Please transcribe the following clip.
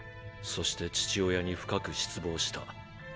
そして父親に深く失望した。